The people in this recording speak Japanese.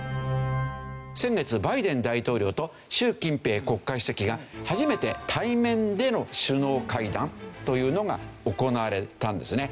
先月バイデン大統領と習近平国家主席が初めて対面での首脳会談というのが行われたんですね。